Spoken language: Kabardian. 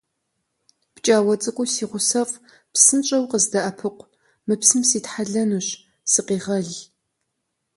ПкӀауэ цӀыкӀуу си гъусэфӀ, псынщӀэу къыздэӀэпыкъу, мы псым ситхьэлэнущ, сыкъегъэл!